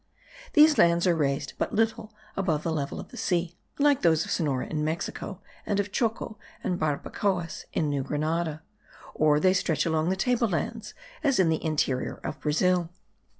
These lands are raised but little above the level of the sea, like those of Sonora in Mexico, and of Choco and Barbacoas in New Granada; or they stretch along in table lands, as in the interior of Brazil.